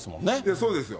そうですよ。